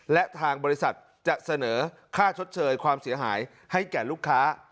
และทางบริษัทจะเสนอค่าชดเชยความเสียหายให้แก่ลูกค้า